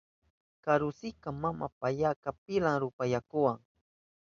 Karuntsita mama payaka pilan rupa yakuwa.